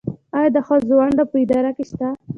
آیا د ښځو ونډه په اداره کې شته؟